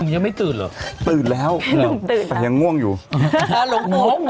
ยังไม่ตื่นเหรอ